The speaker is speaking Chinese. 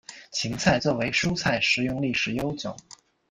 芹菜作为蔬菜食用历史悠久。